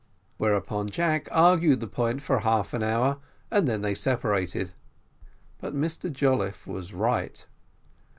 Whereupon Jack argued the point for half an hour, and then they separated. But Mr Jolliffe was right.